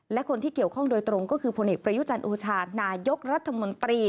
และคนที่เกี่ยวข้องโดยตรงก็คือผลเอกประยุจันทร์โอชานายกรัฐมนตรี